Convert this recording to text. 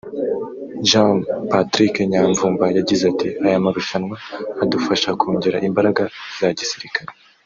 Gen Patrick Nyamvumba yagize ati " Aya marushanwa adufasha kongera imbaraga za gisirikare